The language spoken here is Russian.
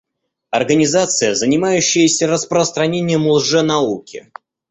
Организация, занимающаяся распространением лженауки.